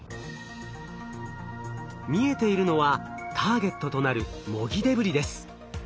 見えているのはターゲットとなる模擬デブリです。